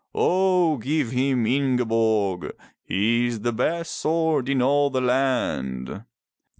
0 give him Ingeborg. His is the best sword in all the land."